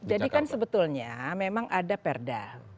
jadi kan sebetulnya memang ada perda